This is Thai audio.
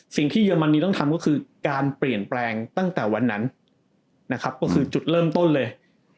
เยอรมนีต้องทำก็คือการเปลี่ยนแปลงตั้งแต่วันนั้นนะครับก็คือจุดเริ่มต้นเลย